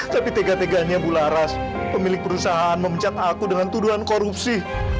tapi tegak tegaknya bularas pemilik perusahaan memecat aku dengan tuduhan korupsi